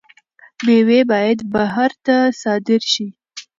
میوې باید بهر ته صادر شي.